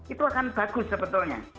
itu akan bagus sebetulnya